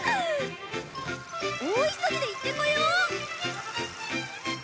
大急ぎで行ってこよう。